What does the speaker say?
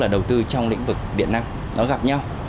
đầu tư trong lĩnh vực điện năng nó gặp nhau